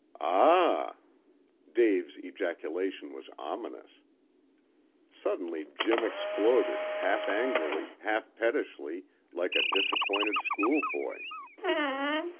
"Ah!" Dave's ejaculation was ominous. Suddenly Jim exploded, half angrily, half pettishly, like a disappointed schoolboy.